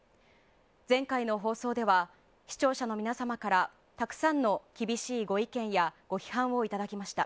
前回の放送では視聴者の皆様からたくさんの厳しいご意見やご批判をいただきました。